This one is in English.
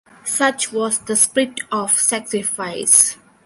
Such was the spirit of sacrifice.